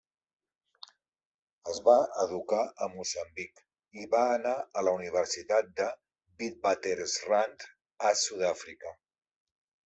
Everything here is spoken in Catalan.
Es va educar a Moçambic i va anar a la Universitat de Witwatersrand en Sud-àfrica.